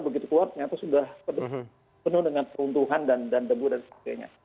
begitu kuat ternyata sudah penuh dengan keruntuhan dan debu dan sebagainya